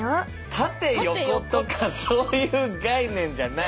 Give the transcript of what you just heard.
縦横とかそういう概念じゃない？